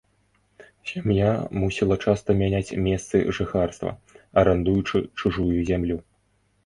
Сям'я мусіла часта мяняць месцы жыхарства, арандуючы чужую зямлю.